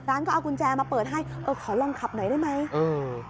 ร้านก็เอากุญแจมาเปิดให้เออขอลองขับหน่อยได้ไหมเออ